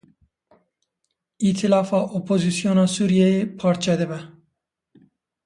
Îtilafa Opozîsyona Sûriyeyê parçe dibe.